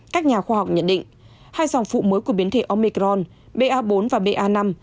các nhà khoa học nhận định hai dòng phụ mới của biến thể omicron ba bốn và ba năm